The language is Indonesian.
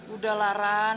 udah lah ran